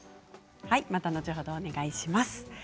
また後ほどお願いします。